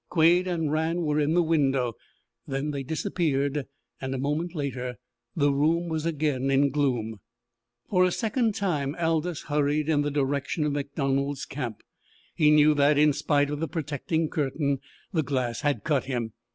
Quade and Rann were in the window. Then they disappeared, and a moment later the room was again in gloom. For a second time Aldous hurried in the direction of MacDonald's camp. He knew that, in spite of the protecting curtain, the glass had cut him.